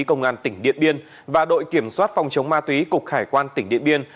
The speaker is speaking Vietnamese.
công an tỉnh điện biên và đội kiểm soát phòng chống ma túy cục hải quan tỉnh điện biên